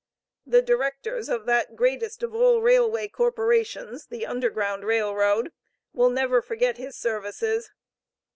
The directors of that greatest of all railway corporations, the Underground Rail Road, will never forget his services.